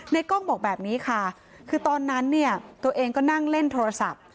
กล้องบอกแบบนี้ค่ะคือตอนนั้นเนี่ยตัวเองก็นั่งเล่นโทรศัพท์